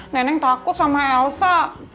neneng takut sama elsa